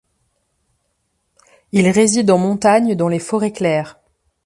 Il réside en montagne dans les forêts claires.